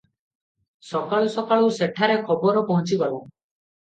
ସକାଳୁ ସକାଳୁ ସେଠାରେ ଖବର ପହଞ୍ଚିଗଲା ।